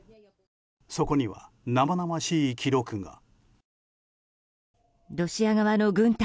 そこには生々しい記録が。